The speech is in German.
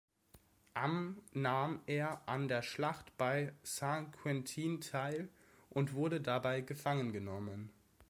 Am nahm er an der Schlacht bei Saint-Quentin teil und wurde dabei gefangen genommen.